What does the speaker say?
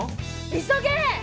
急げ！